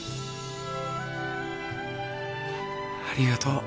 ありがとう。